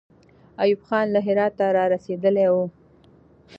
ایوب خان له هراته را رسېدلی وو.